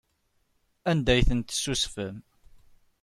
Anda ay ten-tessusfem?